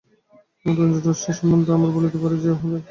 রঞ্জনরশ্মি সম্বন্ধে আমরা বলিতে পারি যে, উহার কারণ আমরা জানি না।